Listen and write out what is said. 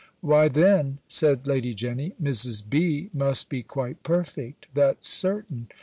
"Why, then," said Lady Jenny, "Mrs. B. must be quite perfect: that's certain."